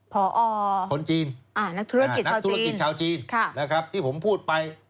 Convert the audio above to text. พอนักธุรกิจชาวจีนที่ผมพูดไป